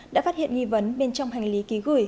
đã phát hiện nghi vấn bên trong hành lý ký gửi